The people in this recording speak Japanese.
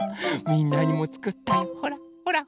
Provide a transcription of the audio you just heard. みんなにもつくったよほら。